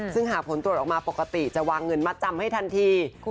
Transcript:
ซึ่งหากผลตรวจออกมาปกติจะวางเงินมัดจำให้ทันที